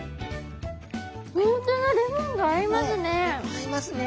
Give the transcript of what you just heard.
本当だレモン合いますね。